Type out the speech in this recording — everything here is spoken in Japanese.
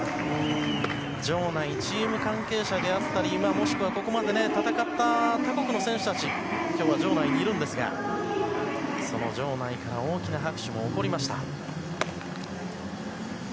チーム関係者であったりここまで戦った他国の選手たちが今日は場内にいるんですが場内から大きな拍手も起こりました。